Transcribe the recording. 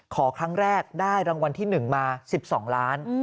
ขอครั้งแรกได้รางวัลที่๑มา๑๒ล้าน